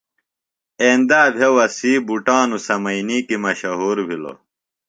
ایندا بھےۡ وسیع بُٹانُوۡ سمئینی کی مشہور بِھلوۡ۔